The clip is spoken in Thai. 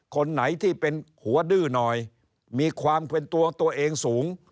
คนไหนที่เป็นหัวดื้อหน่อยมีความเป็นตัวตัวเองสูง